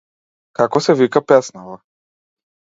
Како се вика песнава?